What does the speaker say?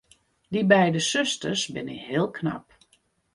Dy beide susters binne heel knap.